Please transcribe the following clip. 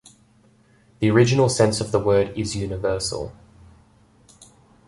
The original sense of the word is 'universal'.